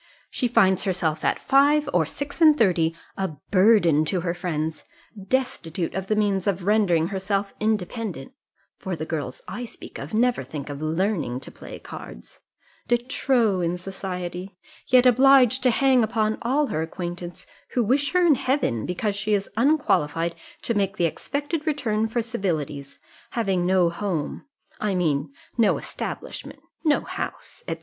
She finds herself at five or six and thirty a burden to her friends, destitute of the means of rendering herself independent (for the girls I speak of never think of learning to play cards), de trop in society, yet obliged to hang upon all her acquaintance, who wish her in heaven, because she is unqualified to make the expected return for civilities, having no home, I mean no establishment, no house, &c.